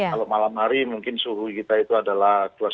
kalau malam hari mungkin suhu kita itu adalah